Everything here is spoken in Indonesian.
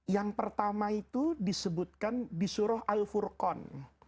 yang pertama itu disebutkan di surah al furqan